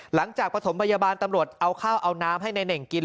หลังจากผสมพยาบาลตำรวจเอาข้าวเอาน้ำให้ในน่่งกิน